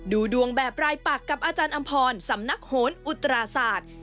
ดูดวงแบบรายปักกับอาจารย์อำพรสำนักโหนอุตราศาสตร์